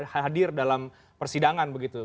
dari siapapun yang hadir dalam persidangan begitu